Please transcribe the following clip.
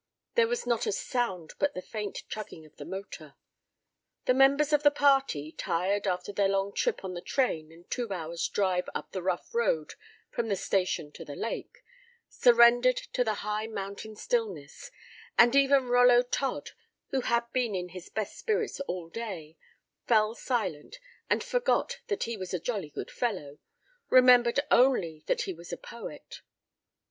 There was not a sound but the faint chugging of the motor. The members of the party, tired after their long trip on the train and two hours' drive up the rough road from the station to the lake, surrendered to the high mountain stillness, and even Rollo Todd, who had been in his best spirits all day, fell silent and forgot that he was a jolly good fellow, remembered only that he was a poet.